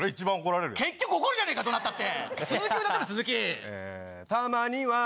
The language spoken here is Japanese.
結局怒るじゃねぇか、どなったって。